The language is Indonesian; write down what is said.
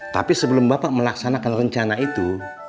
tapi sebelum bapak melaksanakan rencana itu